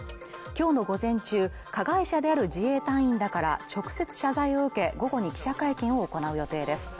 今日の午前中加害者である自衛隊員らから直接謝罪を受け午後に記者会見を行う予定です